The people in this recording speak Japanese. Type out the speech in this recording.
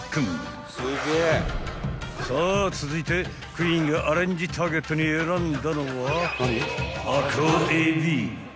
［さあ続いてクイーンがアレンジターゲットに選んだのは］